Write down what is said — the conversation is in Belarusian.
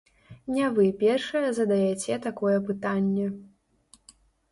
Не вы першая задаяце такое пытанне.